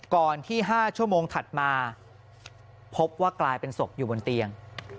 ก่อนที่๕ชั่วโมงถัดมาพบว่ากลายเป็นศพอยู่บนเตียง